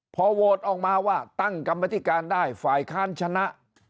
พอโหวตออกมาว่าตั้งกรรมธิการได้ฝ่ายค้านชนะ